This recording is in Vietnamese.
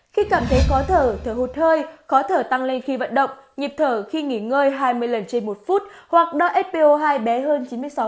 khi cảm thấy khó thở thở hụt hơi khó thở tăng lên khi vận động nhịp thở khi nghỉ ngơi hai mươi lần trên một phút hoặc đo spo hai bé hơn chín mươi sáu